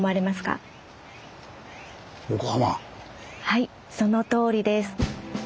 はいそのとおりです。